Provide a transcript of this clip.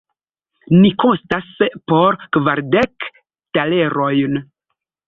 Ni kostas po kvardek talerojn!